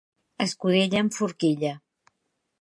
Escudella amb forquilla.